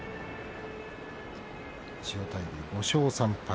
千代大龍５勝３敗。